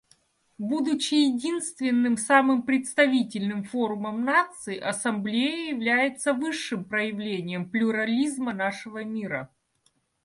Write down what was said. Будучи единственным самым представительным форумом наций, Ассамблея является высшим проявлением плюрализма нашего мира.